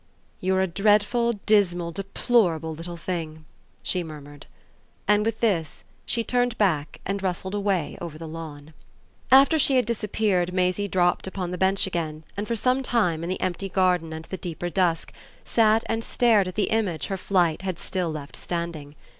"You're a dreadful dismal deplorable little thing," she murmured. And with this she turned back and rustled away over the lawn. After she had disappeared, Maisie dropped upon the bench again and for some time, in the empty garden and the deeper dusk, sat and stared at the image her flight had still left standing.